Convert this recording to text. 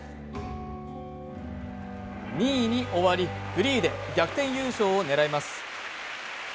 ２位に終わり、フリーで逆転優勝を狙います。